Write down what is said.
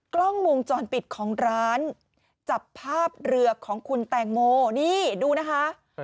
กล้องวงจรปิดของร้านจับภาพเรือของคุณแตงโมนี่ดูนะคะ